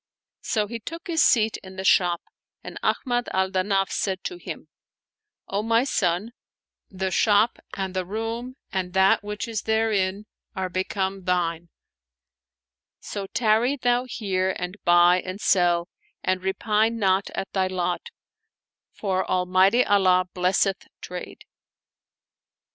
So he took his seat in the shop and Ahmad al Danaf said to him, " O my son, the shop and the room and that which is therein are become thine ; so tarry thou here and buy and sell ; and repine not at thy lot, for Almighty Allah blesseth trade."